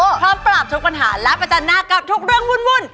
พร้อมปราบทุกปัญหาและประจันหน้ากับทุกเรื่องวุ่น